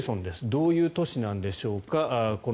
どういう都市なんでしょうか。